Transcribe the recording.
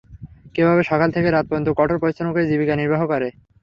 কীভাবে সকাল থেকে রাত পর্যন্ত কঠোর পরিশ্রম করে জীবিকা নির্বাহ করে।